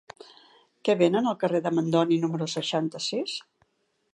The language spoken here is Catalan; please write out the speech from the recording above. Què venen al carrer de Mandoni número seixanta-sis?